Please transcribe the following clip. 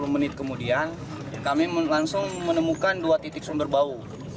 sepuluh menit kemudian kami langsung menemukan dua titik sumber bau